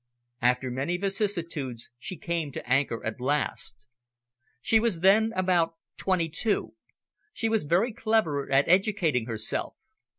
After many vicissitudes, she came to anchor at last. She was then about twenty two. She was very clever at educating herself.